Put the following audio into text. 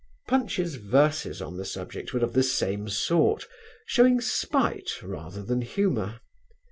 Punch's verses on the subject were of the same sort, showing spite rather than humour.